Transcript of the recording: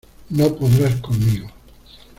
No podrás conmigo.